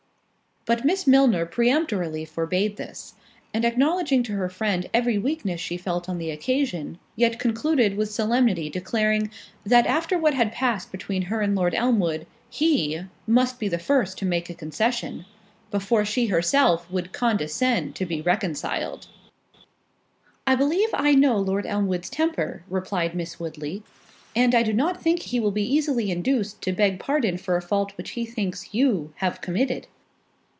But Miss Milner peremptorily forbade this, and acknowledging to her friend every weakness she felt on the occasion, yet concluded with solemnly declaring, "That after what had passed between her and Lord Elmwood, he must be the first to make a concession, before she herself would condescend to be reconciled." "I believe I know Lord Elmwood's temper," replied Miss Woodley, "and I do not think he will be easily induced to beg pardon for a fault which he thinks you have committed."